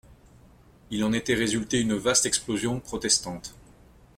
Il en était résulté une vaste explosion protestante.